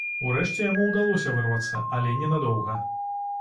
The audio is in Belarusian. Урэшце яму ўдалося вырвацца, але ненадоўга.